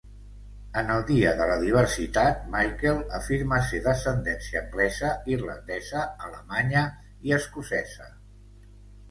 En el "Dia de la Diversitat", Michael afirma ser d'ascendència anglesa, irlandesa, alemanya i escocesa.